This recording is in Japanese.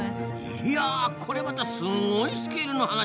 いやこりゃまたすごいスケールの話ですな。